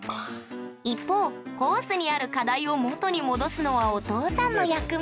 一方コースにある課題を元に戻すのはお父さんの役目